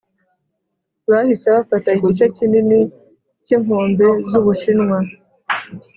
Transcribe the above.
bahise bafata igice kinini cyinkombe zubushinwa.